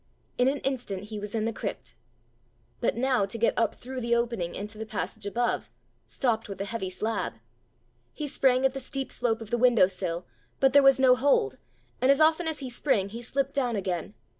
In an instant he was in the crypt. But now to get up through the opening into the passage above stopped with a heavy slab! He sprang at the steep slope of the window sill, but there was no hold, and as often as he sprang he slipped down again.